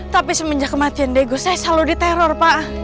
tapi semenjak kematian diego saya selalu diteror pak